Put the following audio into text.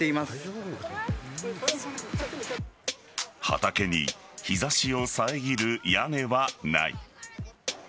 畑に日差しを遮る屋根はない。